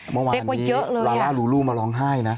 เหล็กกว่าเยอะเลยอ่ะเมื่อวานนี้ลาล่าลูลูมาร้องไห้นะ